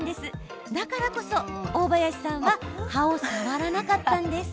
だからこそ大林さんは葉を触らなかったんです。